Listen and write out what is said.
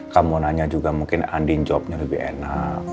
kamu nanya juga mungkin andi jawabnya lebih enak